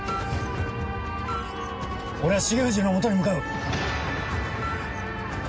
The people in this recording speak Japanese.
俺は重藤の元に向かう。